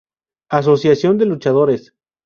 Asociación de luchadores“.